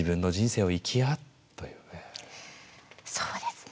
そうですね。